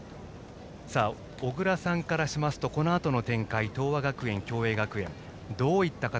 小倉さんからしますとこのあとの展開東亜学園、共栄学園どういった形。